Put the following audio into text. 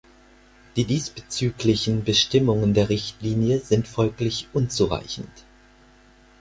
Die diesbezüglichen Bestimmungen der Richtlinie sind folglich unzureichend.